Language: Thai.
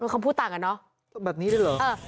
คำพูดต่างกันเนาะ